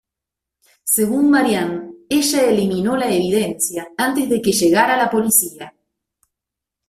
Según Marianne, ella eliminó la evidencia antes de que llegara la policía.